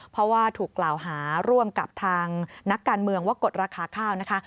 เพราะว่าถูกกล่าวหาร่วมกับทางนักการเมืองว่ากดราคาข้าวนะคะ